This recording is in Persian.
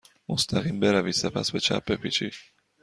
مستقیم بروید. سپس به چپ بپیچید.